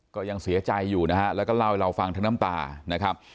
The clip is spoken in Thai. ก็ยังเสียใจอยู่นะฮะแล้วก็เล่าให้เราฟังทั้งน้ำตานะครับ